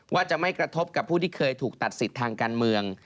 ว่าจะไม่กระทบกับผู้ที่เคยถูกตัดสิทธิ์ทางการเมือง